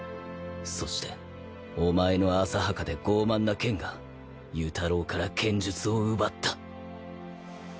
そしてお前の浅はかで傲慢な剣が由太郎から剣術を奪った。